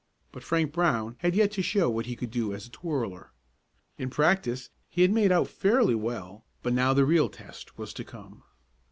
But Frank Brown had yet to show what he could do as a twirler. In practice he had made out fairly well, but now the real test was to come.